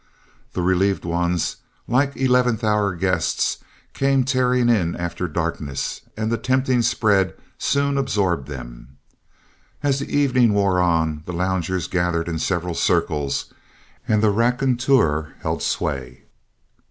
The relieved ones, like eleventh hour guests, came tearing in after darkness, and the tempting spread soon absorbed them. As the evening wore on, the loungers gathered in several circles, and the raconteur held sway.